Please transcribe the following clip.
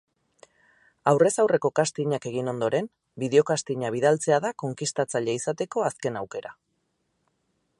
Aurrez aurreko castingak egin ondoren, bideokastinga bidaltzea da konkistatzaile izateko azken aukera.